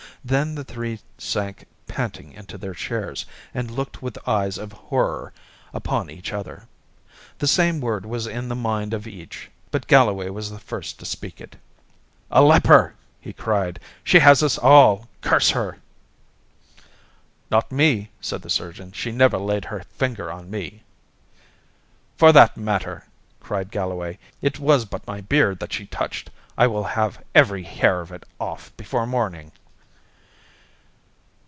Then the three sank panting into their chairs, and looked with eyes of horror upon each other. The same word was in the mind of each, but Galloway was the first to speak it. "A leper!" he cried. "She has us all, curse her!" "Not me," said the surgeon; "she never laid her finger on me." "For that matter," cried Galloway, "it was but my beard that she touched. I will have every hair of it off before morning."